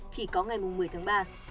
chỉ có ngày mùng một mươi tháng ba